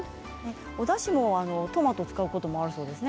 おだしにトマトを使うことも、あるそうですね。